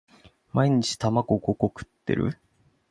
毎日卵五個食ってる？